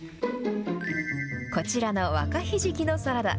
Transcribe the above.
こちらの若ひじきのサラダ。